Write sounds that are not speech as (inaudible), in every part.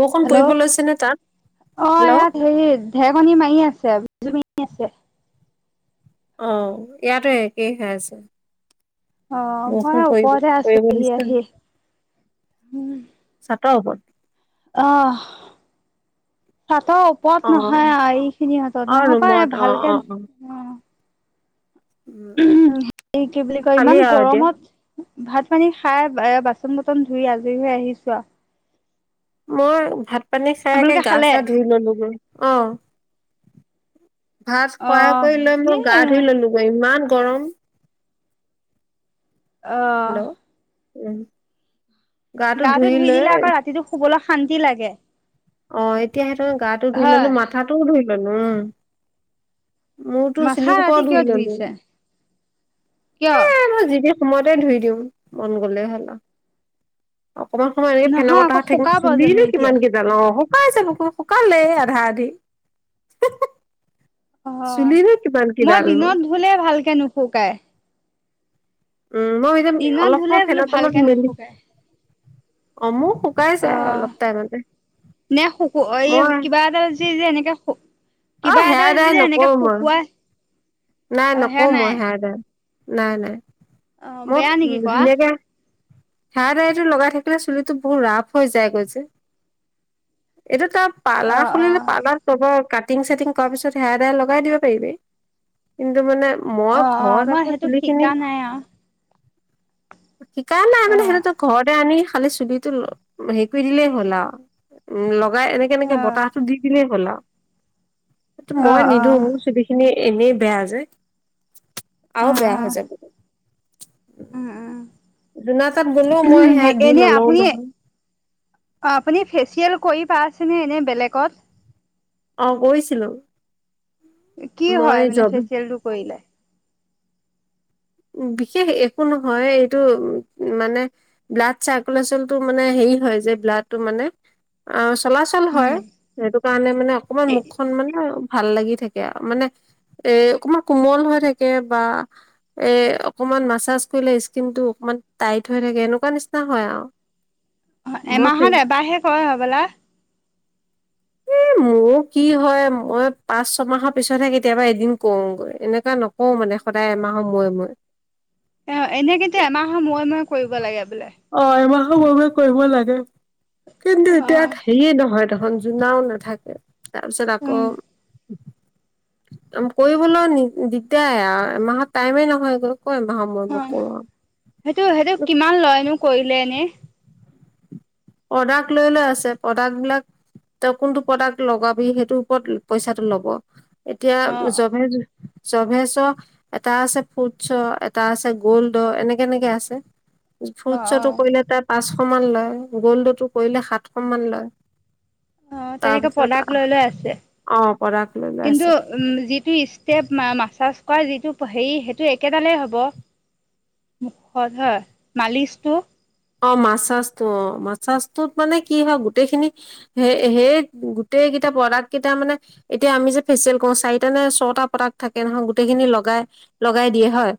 বৰষুণ হেল্ল' পৰিব লৈছে নে তাত? অ' ইয়াত হেৰি ধেকনি মাৰি আছে বিজুলী মাৰি আছে। অ' ইয়াতো একেই হৈ আছে। অ মই বৰষুণ ওপৰতে পৰিব আছোহি আহি দিছা তৰপত অহ' তাক তো ওপৰত অ নহয়া এই খিনি হতত অ নহ পায় ৰুমত অ ভালকে অ' উম উমহ, এই কি বুলি কয় খালি ইমান আৰু এতিয়া গৰমত ভাত পানী খাই আহ বাচন বৰ্তন ধুই আজৰি হৈ আহিছোঁ আৰু মই ভাত পানী খাইকে আপোনালোকে গা খালে চা ধুই ললোঁ গৈ। অ ভাত অ খোৱাই কৰি লৈ কি মই গা ধুই ললো গৈ ইমান গৰম হেল্ল' অ উম গাটো ধুই দিলে আকৌ ৰাতিটো শুবলৈ শান্তি লাগে অ এতিয়া সেইতো গাটো ধুই ললো হয় মাথাটোও ধুই ললো উম মোৰতো মাথা চিলিকোপ ৰাতি ধুই কিয় ললো ধুইছে কিয় এ (unintelligible) মইতে ধুই দিওঁ মন গলে হ'ল আও অকমান সময় এনেকে ফেনৰ নহয় আকৌ বতাহাত থাকিম শুকাব জানো চুলিনো এতিয়া কিমান কেইডাল ন শুকাই যাব ক শুকালেই আধা আধি অ' চুলিনো কিমান মই কিডালনো দিনত ধুলে ভালকে নুফুকাই। উম, মই এতিয়া অলপ ধুলে সময় বোলো ফেনৰতলত ভালকে মেলি নুশুকাই অমোক। অ' নে শুকু এই মই কিবা এটা যি যে এনেকে অ' কিবা এটা সেয়া যি দাই যে এনেকে নকৰো মই। শুকুৱাই নাই অ নকৰো নাই মই সেয়া দাই নাই, নাই, অ মই বেয়া নেকি কোৱা ধুনীয়াকে হেয়াৰ দাইটো লগাই থাকিলে চুলিটো বহু ৰাফ হৈ যায়গৈ যে। এটো তাত অ পাৰ্লাৰ অ খুলিলে পাৰ্লাৰত ক'ব কাটিং চাটিং কৰাৰ পিছত হেয়াৰ দেয়াৰ লগাই দিব পাৰিবি কিন্তু মানে মই অ অ ঘৰত মই আকৌ সেইটো চুলি কিনি শিকা নাই আৰু শিকা নাই অ মানে সেইটো তই ঘৰতে আনি খালি চুলিটো হেৰি কৰি দিলেই হ'ল আও লগ গাই এনেকে অ এনেকে বতাহটো দি দিলেই হল আও সেইটো অ মই নিদিওঁ মোৰ চুলি খিনি এনেই বেয়া যে অ অ আও বেয়া অ হৈ যাব উম যোনা তাত গ'লেও মই সেয়া দি এনে নলও আপুনি নহয় আপুনি ফেচিয়েল কৰি পাইছেনে এনে বেলেগত। অ' গৈছিলো। কি হয় মানে ফেচিয়েল টো কৰিলে? বিশেষ একো নহয় এইটো উ মানে ব্লাড চাৰ্কুলেশচন টো মানে হে কি হয় যে ব্লাডটো মানে অ', চলাচল হয় উম সেইটো কাৰণে মানে অকমান মুখখন মানে ভাল লাগি থাকে মানে এ অকণমান কোমল হৈ থাকে বা এ' অকণমান মাছাজ কৰিলে স্কিনটো অকমান টাইট হৈ থাকে এনেকুৱা নিচিনা হয় আৰু। মই অ'এমাহত ফেচ এবাৰহে কৰে হবলাই। (inaudible) এ মোৰো কি হয় মই পাঁচ ছমাহৰ পিছতহে কেতিয়াবা এদিন কৰোগৈ এনেকুৱা নকওঁ কওঁ মানে সদায় এমাহৰ মোৰে মোৰে। অ' এনে কিন্তু এমাহৰ মোৰে মোৰে কৰিব লাগে। বোলে অ' এমাহৰ মোৰে মোৰে কৰিব লাগে কিন্তু অ এতিয়াত হেয়ে নহয়। দেখখন জোনাও নাথাকে তাৰ পিছত আকৌ উম কৰিবলৈ দিগ্দাৰি আৰু এমাহত টাইমে নহয়গৈ। ক এমাহৰ মূৰে মূৰে অ' কৰো আৰু। সেইটো সেইটো কিমান লয়নো কৰিলে এনে? প্ৰডাক্ট লৈ লৈ আছে প্ৰডাক্ট বিলাক। তই কোনটো প্ৰডাক্ট লগাবি সেইটোৰ ওপৰত পঁইচাটো ল'ব এতিয়া অ জ চভে চ এটা আছে ফুডছ এটা আছে গ'ল্ড এনেকে এনেকে আছে। অ অ ফ্ৰুটছতো কৰিলে তাত পাঁচশ মান লয় গ'ল্ডতো কৰিলে সাতশ মান লয়। অ' তেনেকে তাৰপিছত প্ৰডাক্ট লৈ লৈ আছে। অ প্ৰডাক্ট লৈ লৈ আছে কিন্তু উম যিটো ষ্টেপ মাছাছ ক'য় যিটো হেৰি সেইটো একেডালেই হ'ব। মুখত হয় মালিচটো অ' মাচাজটো অ' মাচাজটোত মানে কি হয় গোটেইখিনি হে সেই গোটেই কেইটা প্ৰডাক্ট কেই লগাই দিয়ে হয়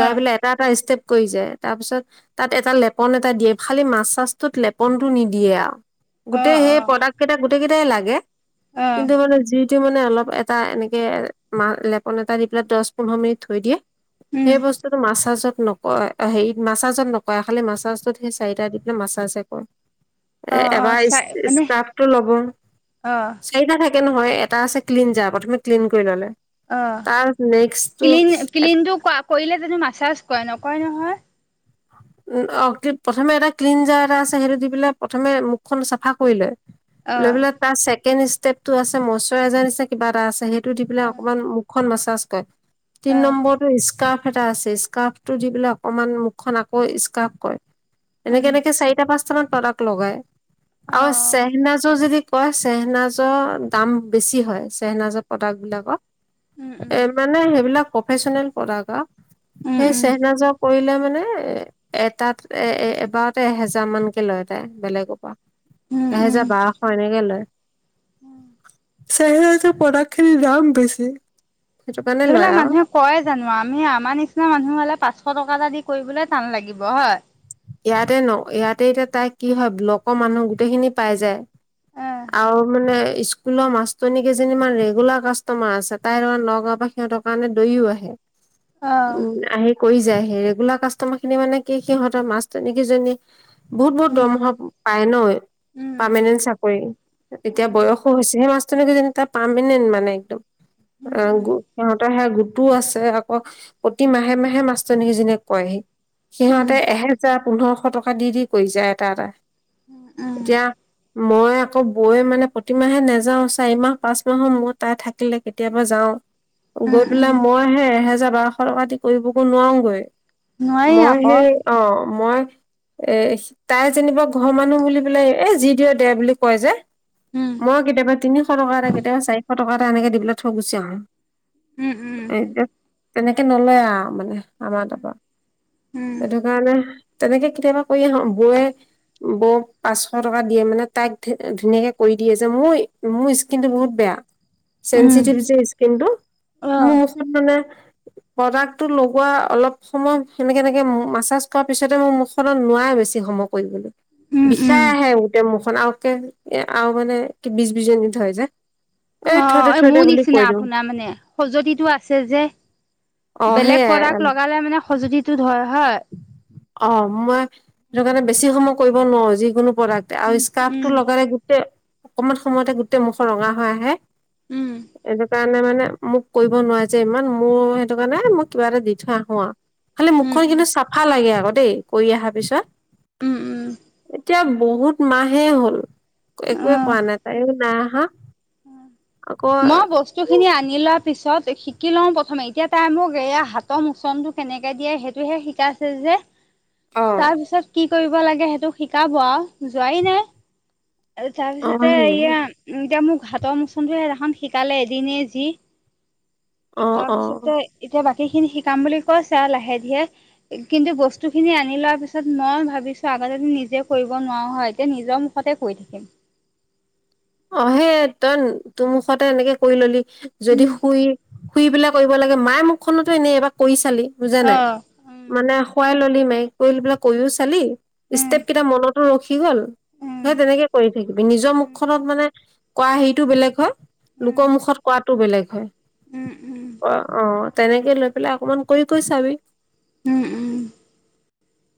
অ পেলায় এটা এটা ষ্টৈপ কৰি যায় তাৰপিছত তাত এটা লেপ ফন এটা দিয়ে খালি মাছচাছটো লেপনটো নিদিয়ে অ গোটেই অ সেই প্ৰডাক্ট কেইটা গোতেইকেইটাই লাগে অ কিন্তু মানে যিটো মানে অলপ এটা এনেকে লেপন এটা দি পেলাই দশ পোন্ধৰ মিনিট থৈ দিয়ে। উম সেই বস্তুতটো মাছাজত নকয় হেৰি মাছাজত নকয় খালি মাছ লাষ্টত সেই চাৰিটা দি পেলাই মাছাজহে কৰে। অ অ চাই মানে অ (inaudible) তে নহয় এটা আছে ক্লিন যাৰ প্ৰথমে ক্লিন কৰি ললে অ তাৰ নেক্সটটো ক্লিন ক্লিনটো কৰিলে অ' প্ৰথমে এটা ক্লিনজাৰ এটা আছে সেইটো দি পেলাই প্ৰথমে মুখখন চাফা কৰি লয়। অ লৈ পেলাই তাৰ ছেকেণ্ড ষ্টেপটো আছে মচোৰাইজাৰ নিচনা কিবা এটা আছে সেই দি পেলাই অ অকমান মুখ মাচাজ কৰে, তিন অ', নম্বৰটো এটা আছে স্কাৰ্ফটো দি পেলাই অকমান মুখখন আকৌ স্ফাৰ্ফ কৰে। এনেকে উম, এনেকে চাৰিটা পাঁচটামান প্ৰডাক্ট লগাই উম। আৰু চেহনাজৰ যদি কয় চেহেনাজৰ দাম বেছি হয় চেহেনজৰ প্ৰডাক্ট বিলাকৰ। এ মানে সেইবিলাক প্ৰফেচনেল প্ৰডাক্ট অ' উম, সেই উম, চেহেনা জোৱা কৰিলে মানে হেই এটাত এ এবাৰতে এহেজাৰ মানকে লয় তাই বেলেগৰ পৰা উম, উম। এহেজাৰ বাৰশ এনেকে লয়। চেহৰাজৰ প্ৰডাক্ট খিনিৰ দাম বেছি। সেইটো কাৰণে লয় সেইবিলাক আৰু মানুহে কয় জানো আমি আমাৰ নিচিনা মানুহ মোৰ হলে পাঁচশ টকা এটা দি কৰিবলৈ টান লাগিব হয়। ইয়াতে ন ইয়াতে এতিয়া তাই কি হয় ব্লকৰ মানুহ গোটেইখিনি পাই যায়। অ', আৰু মানে স্কুলৰ মাষ্টৰনী কেইজনীমান ৰেগুলাৰ কাষ্টমাৰ আছে, তাইৰ নগাঁও পৰা সিহঁতৰ কাৰণে দৌৰিও আহে। উম, আহি কৰি যায় হি ৰেগুলাৰ কাষ্টমাৰ খিনি মানে কি সিহঁতৰ মাছ তেনেকে যোনী বহুত বহুত দৰমহা পায় ন। উম, পাৰ্মানেন্ট চাকৰি, এতিয়া উম, বয়সো হৈছে সেই মাষ্টাৰনী তাৰ পাৰ্মানেণ্ট মানে একদম। উম, অ' উম, গু সিহঁতৰহে গু টো আছে আকৌ প্ৰতি মাহে মাহে মাষ্টৰনী সেইজনীয়ে কয়হি উম। সিহঁতে এহে জাৰ পোন্ধৰশ টকা দি দি কৰি যায় এটা এটা, উম, এতিয়া মই আকৌ বৈ মানে প্ৰতিমাহে নাযাওঁ চাৰিমাহ পাঁচ মাহৰ মুৰত তাই থাকিলে কেতিয়াবা যাওঁ। গৈ উম, উম, পেলাই মই সে এহেজাৰ বাৰশ টকা কৰিবগৈ নোৱাৰোগৈ। নোৱাৰি মই আকৌ সেই অ'। মই এ তাই যেনিবা ঘৰ মানুহ বুলি পেলাই এ যি দিয়ে দে বুলি কয় যে। উম, মই কেতিয়াবা তিনিশ টকা এটা কেতিয়াবা চাৰিশ টকা এটা এনেকে দি পেলাই থৈ গুচি আহো। উম উম। এ তেনেকে নলয় আৰু মানে আমাৰ তাৰপৰা, উম। সেইটো কাৰণে তেনেকে কেতিয়াবা কৰি আহো বৌয়ে বৌক পাঁচশ টকা দিয়ে মানে তাইক ধুনীয়াকে কৰি দিয়ে যে মোৰ মোৰ স্কিনটো বহুত বেয়া। উম, চেনচিটিভ যে স্কিনটো, মোৰ অ', মুখত মানে প্ৰডাক্টটো লগোৱা অলপ সময় সেনেকে এনেকে মাছাজ কৰাত তাৰপিছতে মোৰ মুখখনত নোৱাৰ বেছি সময় কৰিবলৈ, উম, উম। বিষাই আহে গোটেই মুখ আকে আৰু মানে কি বিজ বিজন ধৰি যায়। অ' এই মোৰ নিচিনা আপোনাৰ, মানে খজতিটো আছে যে। অ বেলেগ সেইয়াই প্ৰডাক্ট লগালে মানে খজুলিটো ধৰে হয় অ' মই সেইটো কাৰণে বেছি সময় কৰিব নোৱাৰো যিকোনো প্ৰডাক্ট, আৰু উম, স্কাৰ্ফ টো উম, লগালে গোটেই অকমান সময়তে গোটেই মুখৰ ৰঙা হৈ আহে উম। এনেকুৱা কাৰণে মানে মোক কৰিব নোৱাৰি যে ইমান মোৰ সেইটো কাৰণে মই কিবা এটা দি থৈ আহো আৰু। খালি উম মুখখন উম কিন্তু চাফা লাগে আকৌ দেই কৰি অহাৰ পিছত, উম উম এতিয়া বহুত মাহে হ'ল। একোৱেই উম পোৱা নাই তাইও নাই অহা মই বস্তু খিনি আনি লোৱা পিছত শিকি লঁও প্ৰথমে, এতিয়া তাই মোক এয়া হাতৰ মোচনটো কেনেকে দিয়ে সেইটোহে শিকাইছে যে। অ তাৰ পিছত কি কৰিব লাগে সেইটো শিকাব আৰু, যোৱাই নাই। আৰু অ তাৰপিছতে সেই ইয়ে এনেকে মোক হাতৰ মোচনটোহে এদিনাখন শিকালে, এদিন যি অ তাৰ অ পিছতে এতিয়া বাকী খিনি শিকাম বুলি কৈচে লাহে ধিৰে কিন্তু বস্তু খিনি আনি লোৱা পিছত মই ভাবিছো আগতে নিজে কৰিব নোৱাৰো হয় এতিয়া নিজৰ মুখতে কৰি থাকিম (inaudible) অহে তইন তোৰ মুখতে এনেকে কৰি ল'লি যদি উম শুই শুই পেলাই কৰিব লাগে মায়ে মুখখনতো এনেই এবাৰ কৰি চালি বুজা অ নাই উম মানে, খোৱাই ল'ল মক পৰি (unintelligible) পেলাক কৈও চালি উম ষ্টেপ কেইটা মনতো ৰখি গ'ল উম সেই তেনেকে কৰি থাকিবি নিজৰ উম মুখ ত মানে কৰা হেৰিটো বেলেগ হয়, উম লোকৰ মুখত কৰাটো বেলেগ উম উম হয়। অ' অ' তেনেকে লৈ পেলাই অকমান কৰি কৰি চাবি। উম উম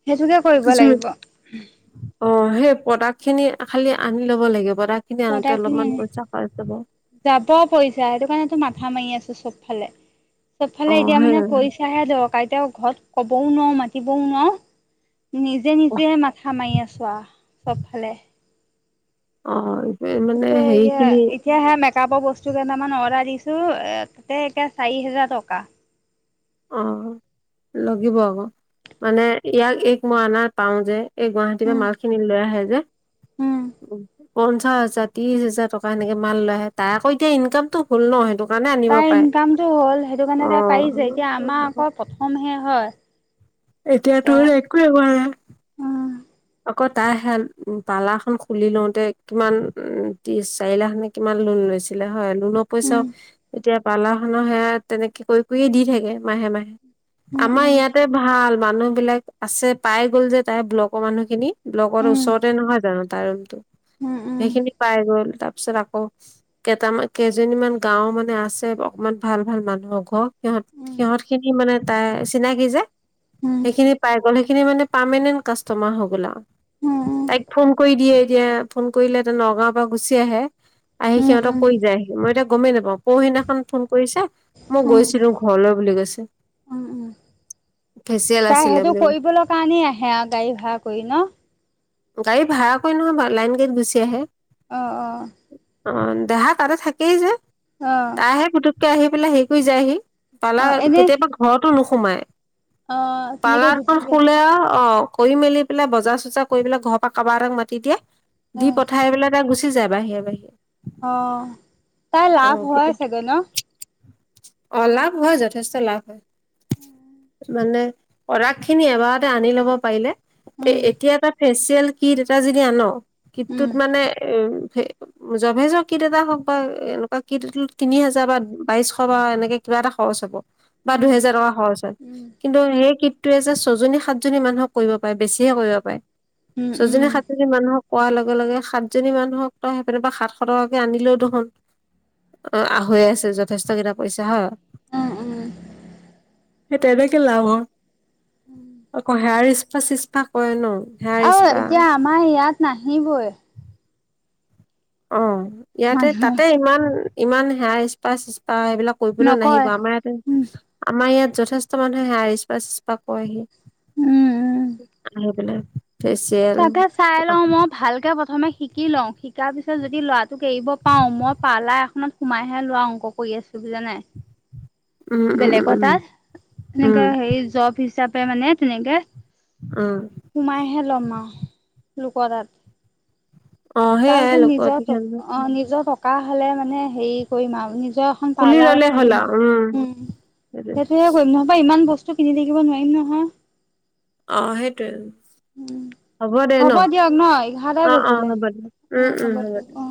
সেইটোকে কৰিব লাগিব। অ' সেই প্ৰডাক্ট খিনি খালি আনি ল'ব লাগে। প্ৰডাক্ট খিনি আনোতে পাউদাৰ খিনি অলপমান আনি, পইচা খৰচ হ'ব যাব পইছা, সেইটো কাৰণোটো মাথা মাৰি আছো চব। ফালে, অ চবফালে এতিয়া সেই মানে পইচাহে দৰকাৰ, এতিয়া ঘৰত ক'বও নোৱাৰোঁ মাতিবও নোৱাৰোঁ নিজে নিজে মাথা মাৰি আছো আহ, চব ফালে অ'। মানে ততে এই হেৰি খিনি এতিয়াে ম পৰ বস্তু কেইটামান অৰ্ডাৰ দিছো, এ তাতে এতিয়া চাৰি হোজাৰ টকা অ', লাগিব আকৌ মানে ইয়াক এক মই অনা পাওঁ যে এই গুৱাহাটী পৰা উম মালখিনি লৈ আহে যে উম উ পঞ্চাশ হাজাৰ ত্ৰিশ হাজাৰ টকা সেনেকে মাল লৈ আহে তাৰ আকৌ এতিয়া ইনকামতটো হ'ল ন' সেইটো কাৰণে আনিব তাৰ পাৰে ইনকামটো হ'ল সেইটো অ কাৰণে তাই পাৰিছে এতিয়া আমাৰ আকৌ প্ৰথমহে হয়। এতিয়া তোৰ একোৱেই হোৱা নাই। উম আকৌ তাই হে পাৰ্লাৰখন খুলি লওতে কিমান উ ত্ৰিশ চাৰি লাখ নে কিমান লোন লৈছে। লৈছিলা হয়। লোনৰ পইচাও উম এতিয়া পাৰ্লাৰখনৰ সেয়া তেনেকে কৰি কৰিয়ে দি থাকে মাহে মাহে উম আমাৰ উম ইয়াতে ভাল মানুহবিলাক আছে পাই গ'ল যে তাই ব্লকৰ মানুহ খিনি লগৰ ওচৰতে নহয় জানো তাৰ ৰুমটো। সেইখিনি পাই গ'ল তাৰ পিছত আকৌ কেইটামান কেইজনীমান গাওঁ মানে আছে অ ভাল ভাল মানুহক ঘৰ সিহঁত সিহঁত খিনি মানে তাই চিনাকি যে সেইখিনি পাই গ'ল সেইখিনি মানে পাৰ্মেণ্ট কাষ্টমাৰ হ'ল লা, উম তাইক ফোন কৰি দিয়ে এতিয়া ফোন কৰিলে নগাঁওৰ পৰা গুচি আহে আহি উম উম উম সিহঁতক কৰি যায়হি, মই এতিয়া গমেই নাপাওঁ পৰহিদিনাখন ফোন কৰিছে মই গৈছিলো ঘৰলৈ বুলি কৈছে। উম উম ফেচিয়েল তাই আছিলে সেইটো বুলি কৈছে। কৰিবলৈ কাৰণেই আহে আৰু গাড়ী ভ়া কৰি ন'। গাড়ী ভাড়া কৰি নহয় বাৰু লাইন গাড়ীত গুচি আহে। আহ আহ। অ', দেহা তাতে থাকেই যে অ তাইহে পুটুককে আহি পেলাই হেৰি কৰি যায়হি। অ পাৰ্লাৰ এনেই কেতিয়াবা ঘৰতো নোসোমাই অ তেনেকে পাৰ্লাৰমান গুচি যায় খুলে অ' কৰি মেলি পেলাই বজাৰ চজাৰ কৰি পেলাই ঘৰৰ পৰা কাৰোব এটাক মাতি দিয়ে অ দি পঠাই পেলাই ত গ চ যাই বাহিৰে বাহিৰে। অ', তাৰ লাভ হয় চাগৈ ন'। অলাভ হয় যথেষ্ট লাভ হয়। মানে প্ৰডাক্ট খিনি এবাৰতে আনি ল'ব পাৰিলে এ উম এতিয়া তাত ফেচিয়েল কিট এটা যদি আন, উম কিটটোত মানে উ জভেজ কিট এটা হওঁক বা এনেকুৱা কিট তিনি হাজাৰ বা বাইশ বা এনেকে কিবা এটা খৰচ হ'ব। বা উম দুহেজাৰ টকা খৰচ হয়, উম কিন্তু সেই কীটটোৱে যে ছজনী সাতজনী মানুহক কৰিব পাৰে বেছিহে কৰিব পাৰে উম উম ছজনী সাতজনী মানুহক কোৱাৰ লগে লগে সাতজনী মানুহক তই সেইপিনৰ পৰা সাতশ টকাকে আনিলেও দেখোন অ আছে যথেষ্ট কেইটা পইচা হ অ উম সেই তেনেকে লাভ হয় আকৌ হেয়াৰ ইচ্পা চিচপা কৰে ন হেয়াৰ অ স্পা এতিয়া আমাৰ ইয়াত নাহিবই অ ইয়াতে মানুহে তাতে ইমান ইমান হেয়াৰ স্পা ত সেবিলাক কৰিবলৈ নাহিব নকয় আমাৰ ইয়াতে উম আমাৰ ইয়াত যথেষ্ট মানুহে আহে আহি হেয়াৰ ইস্পা চিছপা কৰে আহি উম উম আহি পেলাই ফেচিয়েল তাকে চাই লও মই ভালকে প্ৰথমে শিকি লওঁ শিকাৰ পিছত যদি ল'ৰাটোক এৰিব পাও মই পাৰ্লাৰ এখনত সোমাইহে ল'ৰা অংক কৰি আছো বুজা নাই। উম উম বেলেগৰ উম তাত এনেকাে উম হেৰি জব হিচাপে তাপে মানে তেনেকে উম সোমাইহে লম আৰু। লোকদাত অ সেইয়াই তাৰপিছত লোক নিজৰ অধিক অ', নিজৰ টকা হলে মানে হেৰি কৰিম আৰু এ খুলি পাৰ্লাৰ ললে হ'ল খুলিম আৰু উম সেইটোৱে সেইটোে কৰি নহব ইমান বস্তু কিনি থাকিব নোৱাৰিম নহয় আহ সেইটোৱে হ'ব দে ন দিয়ক ন এঘাৰটাই অ অ বাজিলে হ'ব দে উম অ উম হ'ব দিয়ক দে অ